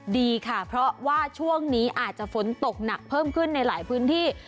ดีค่ะเพราะว่าช่วงนี้อาจจะฝนตกหนักเพิ่มขึ้นในหลายพื้นที่